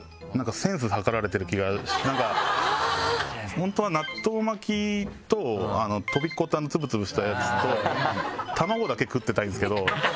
本当は納豆巻きととびっこってつぶつぶしたやつとたまごだけ食ってたいんですけど。